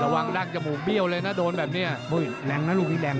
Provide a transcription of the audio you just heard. ระวังดั่งจมูกเบี่ยวเลยนะโดนแบบเนี่ยอุ๊ยแรงนะรูปนี้แรง